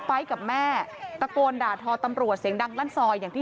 ไฟล์กับแม่ตะโกนด่าทอตำรวจเสียงดังลั่นซอยอย่างที่